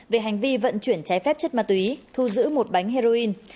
về hành vi vận chuyển trái phép chất ma túy thu giữ một bánh heroin